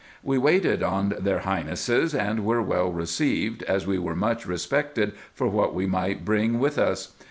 We waited on their highnesses, and were well received, as we were much respected for what we might bring with us.